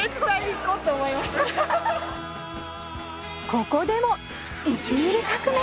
ここでも１ミリ革命！